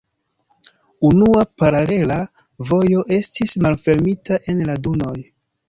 Unua paralela vojo estis malfermita en la dunoj.